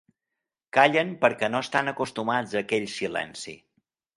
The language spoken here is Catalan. Callen perquè no estan acostumats a aquell silenci.